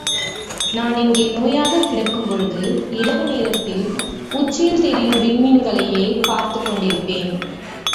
நான் இங்கே நோயாகக் கிடக்கும்பொழுது, இரவு நேரத்தில் உச்சியில் தெரியும் விண்மீன்களையே பார்த்துக் கொண்டிருப்பேன்.